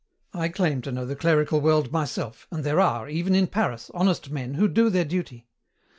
I claim to know the clerical world myself, and there are, even in Paris, honest men who do their duty.